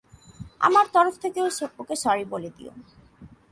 আমার তরফ থেকে ওকে সরি বলে দিও।